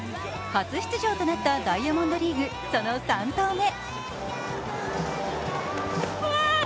初出場となったダイヤモンドリーグ、その３投目。